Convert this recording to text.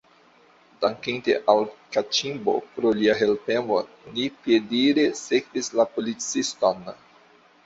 Dankinte al Kaĉimbo pro lia helpemo, ni piedire sekvis la policiston.